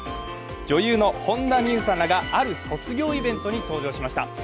女優の本田望結さんらがある卒業イベントに登場しました。